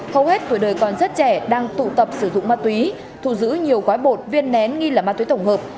hầu hết tuổi đời còn rất trẻ đang tụ tập sử dụng ma túy thù giữ nhiều gói bột viên nén nghi là ma túy tổng hợp